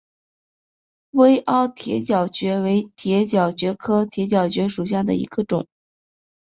微凹铁角蕨为铁角蕨科铁角蕨属下的一个种。